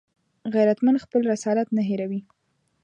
غیرتمند خپل رسالت نه هېروي